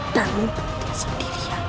dan mumpung tidak sendirian